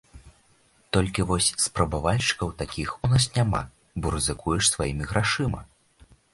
Толькі вось спрабавальшчыкаў такіх у нас няма, бо рызыкуеш сваімі грашыма.